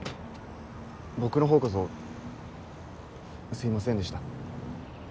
僕の方こそすいませんでした。